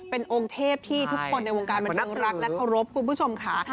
เป็นองค์เทพที่ทุกคนในวงการมันรักและเคารพคุณผู้ชมค่ะ